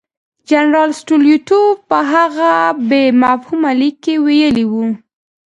جنرال سټولیټوف په هغه بې مفهومه لیک کې ویلي وو.